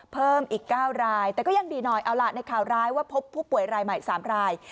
เพิ่มอีก๙รายแต่ก็ยังดีหน่อยเอาล่ะในข่าวร้ายว่าพบผู้ป่วยรายใหม่๓ราย